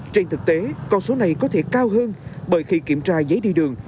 trên thực tế con số này có thể cao hơn bởi khi kiểm tra giấy đi đường